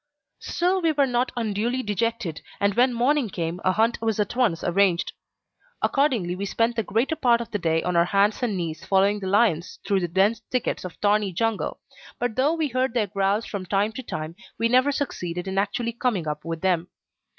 Still we were not unduly dejected, and when morning came, a hunt was at once arranged. Accordingly we spent the greater part of the day on our hands and knees following the lions through the dense thickets of thorny jungle, but though we heard their growls from time to time, we never succeeded in actually coming up with them.